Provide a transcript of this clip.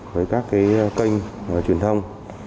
với các kênh truyền thông